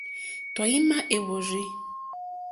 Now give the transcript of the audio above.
Tɔ̀ímá èhwórzí.